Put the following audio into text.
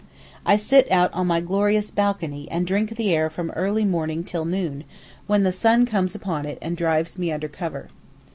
I sit out on my glorious balcony and drink the air from early morning till noon, when the sun comes upon it and drives me under cover.